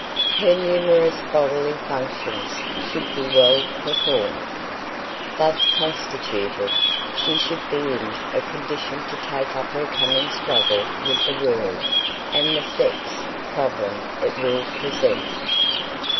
Her numerous bodily functions should be well performed. Thus constituted she should be in a condition to take up her coming struggle with the world, and the sex problem it will present.